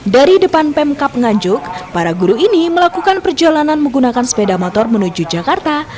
dari depan pemkap nganjuk para guru ini melakukan perjalanan menggunakan sepeda motor menuju jakarta